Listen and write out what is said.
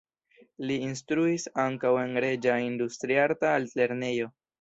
Li instruis ankaŭ en Reĝa Industriarta Altlernejo.